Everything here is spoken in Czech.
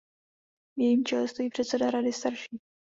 V jejím čele stojí předseda rady starších.